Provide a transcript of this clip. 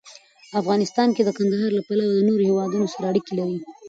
افغانستان د کندهار له پلوه له نورو هېوادونو سره اړیکې لري.